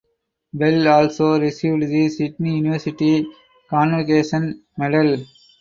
Bell also received the Sydney University Convocation Medal.